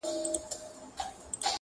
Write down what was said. کورنۍ لا هم ټوټه ټوټه ده,